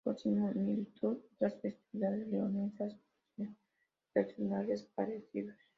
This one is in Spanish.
Por similitud otras festividades leonesas poseen personajes parecidos.